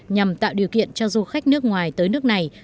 nhằm tạo điều kiện cho du khách nước ngoài tới nước này